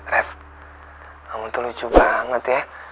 rev kamu tuh lucu banget ya